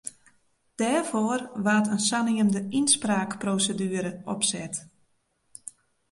Dêrfoar waard in saneamde ynspraakproseduere opset.